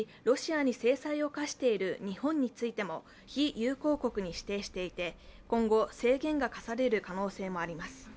ロシアに制裁を科している日本についても非友好国に指定していて、今後、制限が科される可能性もあります。